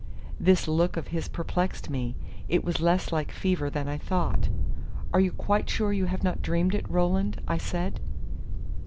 This look of his perplexed me; it was less like fever than I thought. "Are you quite sure you have not dreamed it, Roland?" I said.